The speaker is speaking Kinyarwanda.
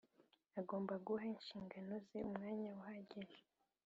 Agomba guha inshingano ze umwanya uhagije